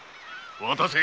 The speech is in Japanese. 渡せ。